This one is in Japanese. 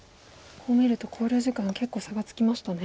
こう見ると考慮時間結構差がつきましたね。